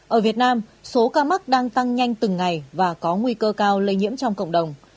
ở việt nam số ca mắc đang tăng nhanh từng ngày và có nguy cơ cao lây nhiễm trong cộng đồng